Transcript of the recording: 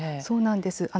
そうなんです。